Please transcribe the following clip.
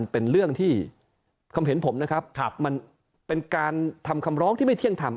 เป็นเรื่องที่ความเห็นผมนะครับมันเป็นการทำคำร้องที่ไม่เที่ยงทำ